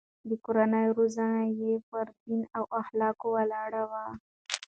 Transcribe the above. د کورنۍ روزنه يې پر دين او اخلاقو ولاړه وه.